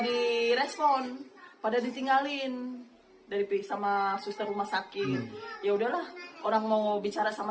direspon pada ditinggalin dari pihak sama suster rumah sakit yaudahlah orang mau bicara sama